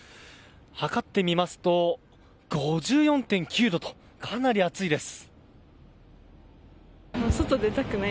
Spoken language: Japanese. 測ってみますと５４．９度とかなり暑いです。